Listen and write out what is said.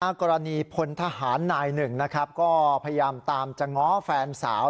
กรณีพลทหารนายหนึ่งนะครับก็พยายามตามจะง้อแฟนสาว